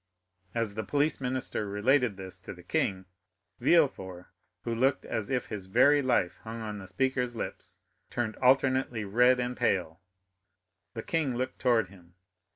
As the police minister related this to the king, Villefort, who looked as if his very life hung on the speaker's lips, turned alternately red and pale. The king looked towards him.